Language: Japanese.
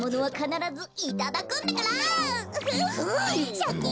シャキン。